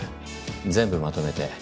全部まとめて。